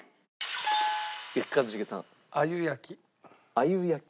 鮎焼き？